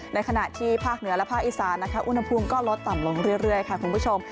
ในขณะที่ภาคเหนือและภาคอีสานนะคะอุณหภูมิก็ลดต่ำลงเรื่อยค่ะคุณผู้ชม